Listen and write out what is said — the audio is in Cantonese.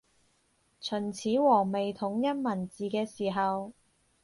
秦始皇未統一文字嘅時候